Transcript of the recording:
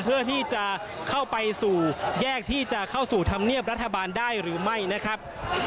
เพื่อที่จะเข้าไปสู่แยกที่จะเข้าสู่ธรรมเนียบรัฐบาลได้หรือไม่นะครับ